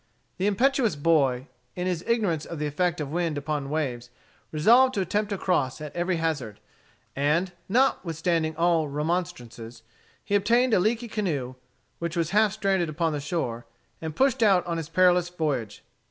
The impetuous boy, in his ignorance of the effect of wind upon waves, resolved to attempt to cross, at every hazard, and notwithstanding all remonstrances. He obtained a leaky canoe, which was half stranded upon the shore, and pushed out on his perilous voyage.